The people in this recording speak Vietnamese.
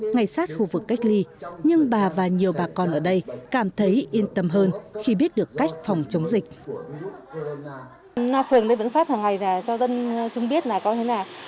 ngay sát khu vực cách ly nhưng bà và nhiều bà con ở đây cảm thấy yên tâm hơn khi biết được cách phòng chống dịch